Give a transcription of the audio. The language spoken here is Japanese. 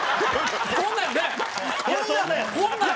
こんなんよ！